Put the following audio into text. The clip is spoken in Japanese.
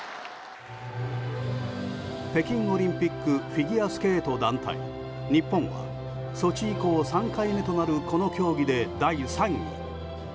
北京オリンピックフィギュアスケート団体日本はソチ以降３回目となるこの競技で第３位。